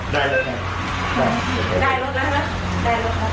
ได้แล้วครับ